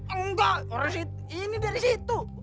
enggak ini dari situ